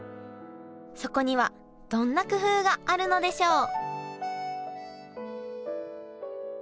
そこにはどんな工夫があるのでしょう？